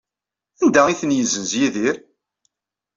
Anda ay ten-yessenz Yidir?